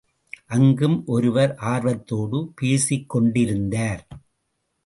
அங்கும் ஒருவர் ஆர்வத்தோடு பேசிக்கொண் டிருந்தார்.